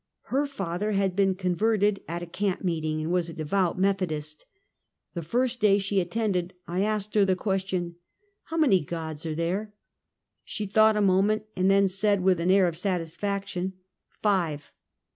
Her father had been converted at a camp meeting and was a devout Methodist. The first day she attended, I asked her the question: "How many Gods are there?" She thought a moment, and then said, with an air of satisfaction: "Five."